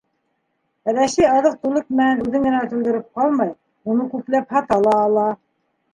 Рәсәй аҙыҡ-түлек менән үҙен генә туйҙырып ҡалмай, уны күпләп һата ла ала.